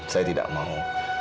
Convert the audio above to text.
saya tidak mau